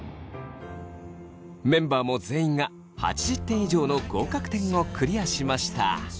メンバーも全員が８０点以上の合格点をクリアしました。